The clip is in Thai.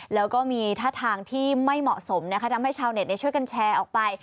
แล้วก็มีท่าทางที่ไม่เหมาะสมนะคะทำให้ชาวเน็ตช่วยกันแชร์ออกไป